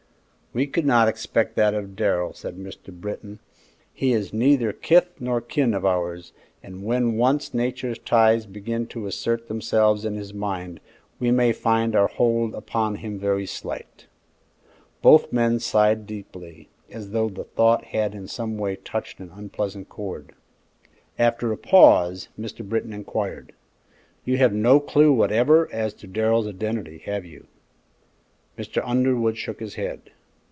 "We could not expect that of Darrell," said Mr. Britton. "He is neither kith nor kin of ours, and when once Nature's ties begin to assert themselves in his mind, we may find our hold upon him very slight." Both men sighed deeply, as though the thought had in some way touched an unpleasant chord. After a pause, Mr. Britton inquired, "You have no clue whatever as to Darrell's identity, have you?" Mr. Underwood shook his head.